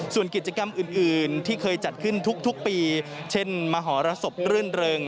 ส่วนกิจกรรมอื่นที่เคยจัดขึ้นทุกปีเช่นมหรสบรื่นเริง